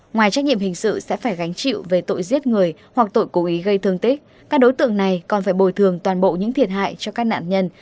ngoài trách nhiệm hình sự sẽ phải gánh chịu về tội giết người hoặc tội cố ý gây thương tích các đối tượng này còn phải bồi thường toàn bộ những thiệt hại cho các nạn nhân